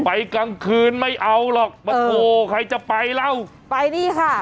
ไปกลางคืนไม่เอาหรอกเออโอ้ใครจะไปแล้วไปนี่ค่ะ